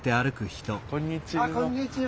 こんにちは。